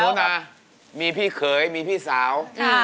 นะมีพี่เขยมีพี่สาว